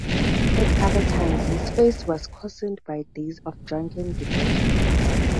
At other times his face was coarsened by days of drunken debauchery.